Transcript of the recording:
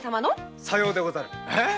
さようでござる。